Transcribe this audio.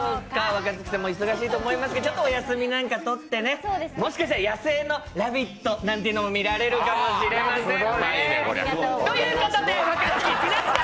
若槻さんも忙しいと思いますけど、ちょっとお休みなんてとってねもしかしたら野生のラビットなんていうのも見られるかもしれません。